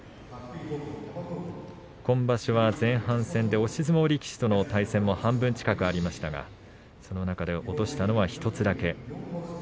今場所は前半戦で押し相撲力士との対戦が半分近くありましたがその中で落としたのは１つだけ。